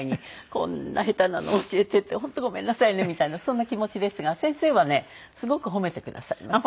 こんな下手なのを教えていて本当ごめんなさいねみたいなそんな気持ちですが先生はねすごく褒めてくださいます。